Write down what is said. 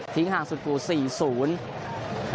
ทิ้งห่างสุดกว่า๔๐